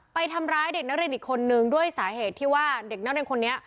ไปทำร้ายเด็กนักเรียนอีกคนนึงด้วยสาเหตุที่ว่าเด็กนักเรียนคนนี้